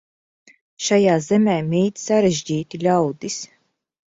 Šajā zemē mīt sarežģīti ļaudis.